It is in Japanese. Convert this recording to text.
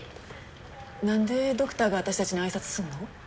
なんでドクターが私たちに挨拶すんの？